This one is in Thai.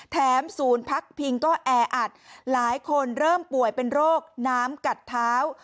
ศูนย์พักพิงก็แออัดหลายคนเริ่มป่วยเป็นโรคน้ำกัดเท้า